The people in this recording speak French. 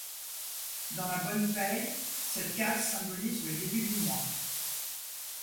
Dans La Bonne Paye, cette case symbolise le début du mois.